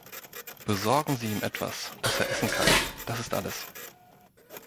Besorgen Sie ihm etwas, das er essen kann, das ist alles.